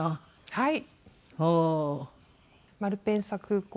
はい。